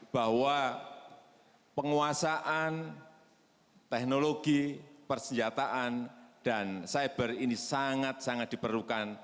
bahwa penguasaan teknologi persenjataan dan cyber ini sangat sangat diperlukan